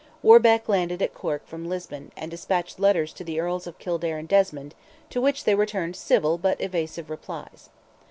Warbeck landed at Cork from Lisbon, and despatched letters to the Earls of Kildare and Desmond, to which they returned civil but evasive replies.